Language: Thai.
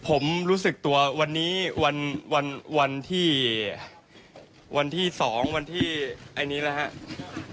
ผมรู้สึกตัววันนี้วันที่๒วันที่อันนี้แหละครับ